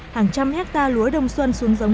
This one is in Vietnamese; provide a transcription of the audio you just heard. hàng trăm hecta lúa đông xuân xuống dòng sông